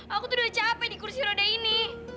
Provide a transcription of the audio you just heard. aku tuh udah capek di kursi roda ini